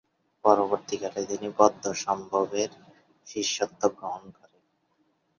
পরবর্তীকালে তিনি পদ্মসম্ভবের শিষ্যত্ব গ্রহণ করেন।